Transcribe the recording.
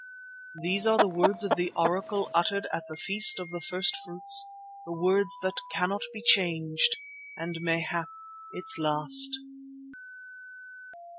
These are the words of the Oracle uttered at the Feast of the First fruits, the words that cannot be changed and mayhap its last."